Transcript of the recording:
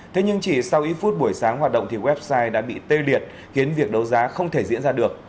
thế nhưng chỉ sau ít phút buổi sáng hoạt động thì website đã bị tê liệt khiến việc đấu giá không thể diễn ra được